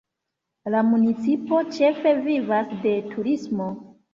La municipo ĉefe vivas de turismo.